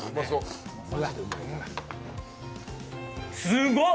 すごっ！